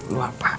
lu apaan sih